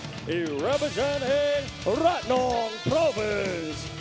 ที่รับประชาญให้รักนองพราวิส